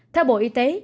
theo bộ y tế